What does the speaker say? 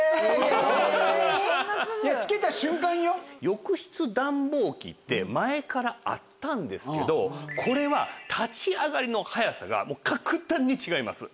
浴室暖房機って前からあったんですけどこれは立ち上がりの早さが格段に違います。